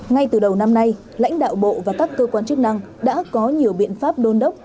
ngay từ đầu năm nay lãnh đạo bộ và các cơ quan chức năng đã có nhiều biện pháp đôn đốc